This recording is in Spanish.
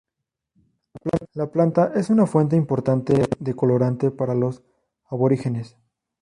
La planta es una fuente importante de colorante para los aborígenes.